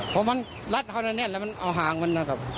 เพราะมันรัดเขาแน่นแล้วมันเอาหางมัน